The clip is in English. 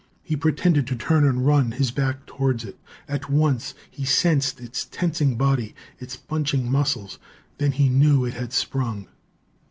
He pretended to turn and run, his back towards it. At once he sensed its tensing body, its bunching muscles then knew that it had sprung.